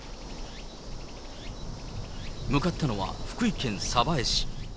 向かったのは福井県鯖江市。